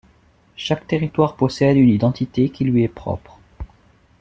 Chaque territoire possède une identité qui lui est propre.